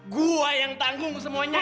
gua yang tanggung semuanya